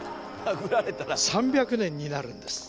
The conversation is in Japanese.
３００年になるんです。